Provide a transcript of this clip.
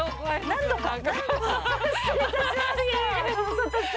何度か。